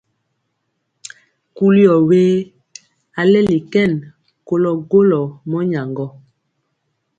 Kuli ɔ we? A leli kɛn kolɔ golɔ mɔnyaŋgɔ.